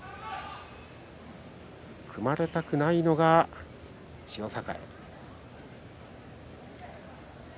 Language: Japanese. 組まれたくないのが千代栄。